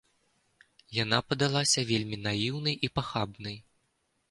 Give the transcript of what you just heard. Яна падалася вельмі наіўнай і пахабнай.